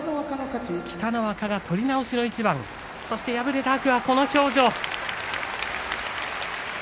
北の若が取り直しの一番そして敗れた天空海の表情。